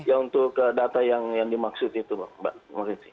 ya untuk data yang dimaksud itu pak